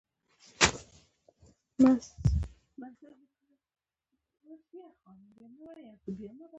د صنعت پراختیا د ستالین په امر ترسره کېده